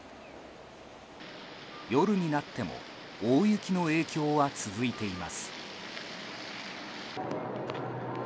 夜になっても大雪の影響は続いています。